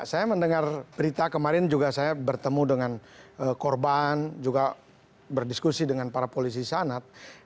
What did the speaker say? saya mendengar berita kemarin juga saya bertemu dengan korban juga berdiskusi dengan para polisi sanat